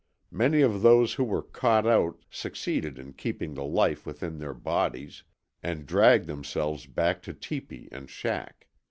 Many of those who were caught out succeeded in keeping the life within their bodies, and dragged themselves back to teepee and shack.